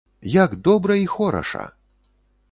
Як добра і хораша!